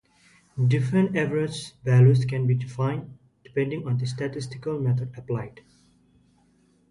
Different average values can be defined, depending on the statistical method applied.